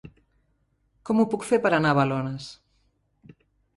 Com ho puc fer per anar a Balones?